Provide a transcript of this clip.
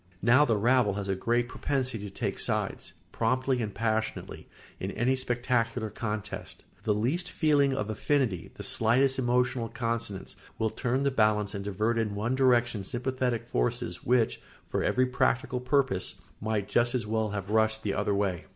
Now the rabble has a great propensity to take sides, promptly and passionately, in any spectacular contest; the least feeling of affinity, the slightest emotional consonance, will turn the balance and divert in one direction sympathetic forces which, for every practical purpose, might just as well have rushed the other way.